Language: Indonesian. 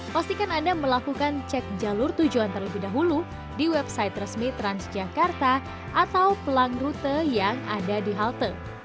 pastikan anda melakukan cek jalur tujuan terlebih dahulu di website resmi transjakarta atau pelang rute yang ada di halte